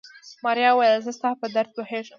ماريا وويل زه ستا په درد پوهېږم.